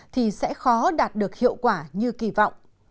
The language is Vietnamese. thì sẽ khó đạt được hiệu quả như kỳ vọng